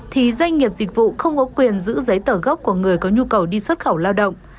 thì doanh nghiệp dịch vụ không có quyền giữ giấy tờ gốc của người có nhu cầu đi xuất khẩu lao động